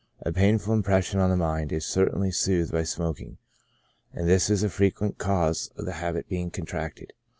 A painful impression on the mind is certainly soothed by smoking, and this is a fre quent cause of the habit being contracted.